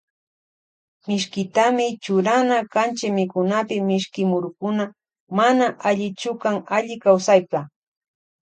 Mishkitami churana kanchi mikunapi mishki murukuna mana allichukan alli kawsaypa.